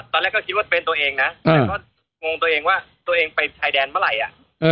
ตอนแรกก็คิดว่าเป็นตัวเองนะแต่ก็งงตัวเองว่าตัวเองไปชายแดนเมื่อไหร่อ่ะ